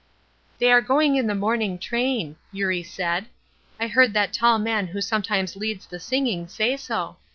"They are going in the morning train," Eurie said; "I heard that tall man who sometimes leads the singing say so.